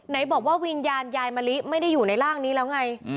ไหนบอกว่าวิญญาณยายมะลิไม่ได้อยู่ในร่างนี้แล้วไง